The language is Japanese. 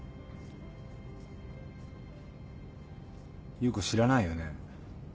優子知らないよね？